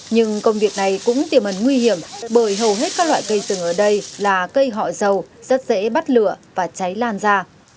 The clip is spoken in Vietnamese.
nhưng công việc này cũng tiềm ẩn nguy hiểm bởi hầu hết các loại cây rừng ở đây là cây họ dầu rất dễ bắt lửa và cháy lan ra